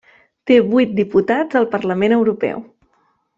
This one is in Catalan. Té vuit diputats al Parlament Europeu.